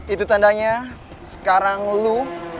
itu tandanya sekarang lo